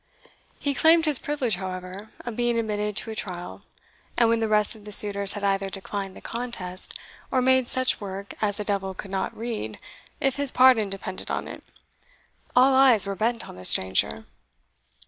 He claimed his privilege, however, of being admitted to a trial; and when the rest of the suitors had either declined the contest, or made such work as the devil could not read if his pardon depended on it, all eyes were bent on the stranger.